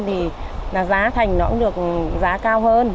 thì là giá thành nó cũng được giá cao hơn